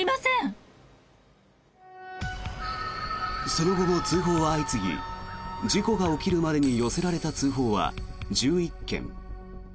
その後も通報は相次ぎ事故が起きるまでに寄せられた通報は１１件。